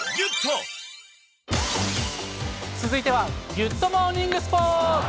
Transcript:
続いては、ギュッとモーニングスポーツ。